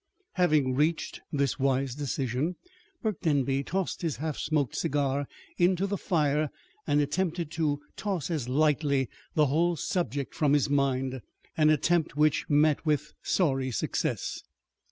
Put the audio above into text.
Having reached this wise decision, Burke Denby tossed his half smoked cigar into the fire and attempted to toss as lightly the whole subject from his mind an attempt which met with sorry success.